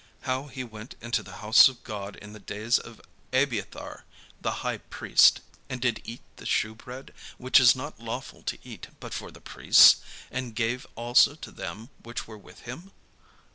How he went into the house of God in the days of Abiathar the high priest, and did eat the shewbread, which is not lawful to eat but for the priests, and gave also to them which were with him?"